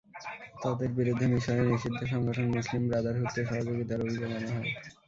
তাঁদের বিরুদ্ধে মিসরে নিষিদ্ধ সংগঠন মুসলিম ব্রাদারহুডকে সহযোগিতার অভিযোগ আনা হয়।